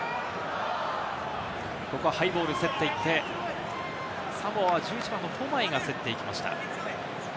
ここはハイボール、競っていってサモアは１１番のフォマイが競っていきました。